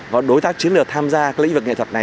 và đối tác chiến lược tham gia các lĩnh vực nghệ thuật này